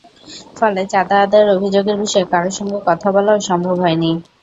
ফলে চাঁদা আদায়ের অভিযোগের বিষয়ে কারও সঙ্গে কথা বলাও সম্ভব হয়নি।